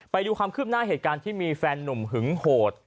ไปดูความคืบหน้าเหตุการณ์ที่มีแฟนหนุ่มหึงโหด